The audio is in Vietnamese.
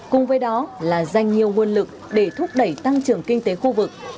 cùng với đó là dành nhiều nguồn lực để thúc đẩy tăng trưởng kinh tế khu vực